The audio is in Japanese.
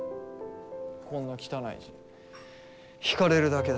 こんな汚い字引かれるだけだし。